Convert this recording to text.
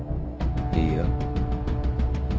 いいや。